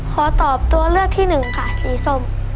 ขอตอบตัวเลือกที่๑ค่ะอีสม